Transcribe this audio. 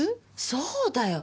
そうだよ。